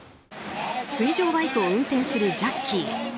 水上バイクを運転するジャッキー。